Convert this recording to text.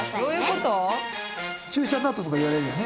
注射のあととか言われるよね